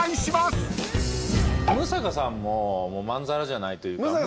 六平さんもまんざらじゃないというか。